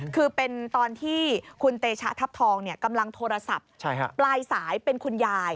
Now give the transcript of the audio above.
คือเป็นตอนที่คุณเตชะทัพทองกำลังโทรศัพท์ปลายสายเป็นคุณยาย